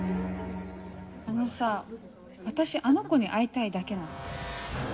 あのさ、私、あの子に会いたいだけなの。